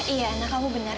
iya anak kamu benar